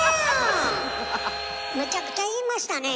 むちゃくちゃ言いましたねえ